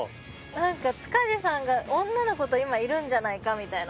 んか塚地さんが女の子と今いるんじゃないかみたいな。